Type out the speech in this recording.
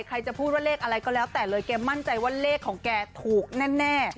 ใครจะพูดว่าเลขอะไรก็แล้วแต่เลยแกมั่นใจว่าเลขของแกถูกแน่